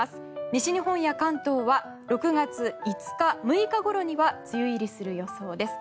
西日本や関東は６月５日、６日ごろには梅雨入りする予想です。